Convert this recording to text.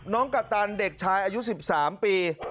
กัปตันเด็กชายอายุ๑๓ปี